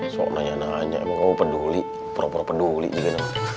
so nanya nanya emang kamu peduli pura pura peduli gitu